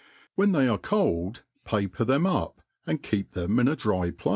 When theyarf cold^ paper them up^ and keep them in a dry place.